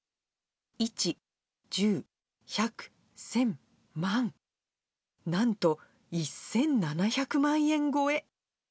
１、１０、１００、１０００、万、なんと１７００万円超え。